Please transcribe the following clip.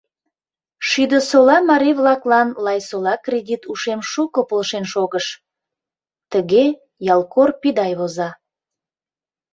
Шӱдысола марий-влаклан Лайсола кредит ушем шуко полшен шогыш», — тыге ялкор Пидай воза.